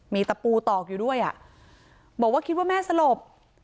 มีตะปูตอกอยู่ด้วยอ่ะบอกว่าคิดว่าแม่สลบ